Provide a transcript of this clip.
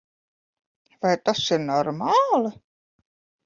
Vai tas ir normāli?